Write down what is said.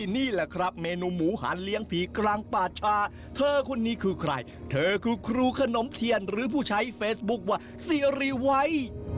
นี่แหละครับเมนูหมูหันเลี้ยงผีกลางป่าชาเธอคนนี้คือใครเธอคือครูขนมเทียนหรือผู้ใช้เฟซบุ๊คว่าซีรีไว้